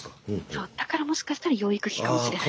そうだからもしかしたら養育費かもしれない。